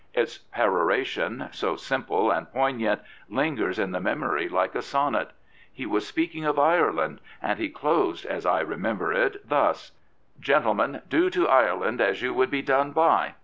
Its peroration, so simple and poignant, lingers in the memory like a sonnet. He was speaking of Ireland, and he closed, as I remember it, thus: " Gentlemen, do to Ireland as you would be done by.